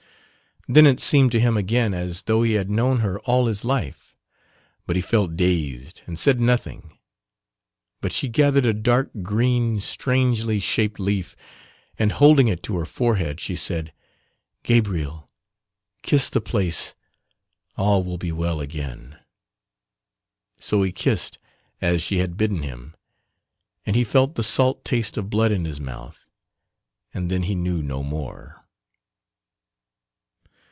Then it seemed to him again as though he had known her all his life but he felt dazed and said nothing but she gathered a dark green strangely shaped leaf and holding it to her forehead, she said "Gabriel, kiss the place all will be well again." So he kissed as she had bidden him and he felt the salt taste of blood in his mouth and then he knew no more.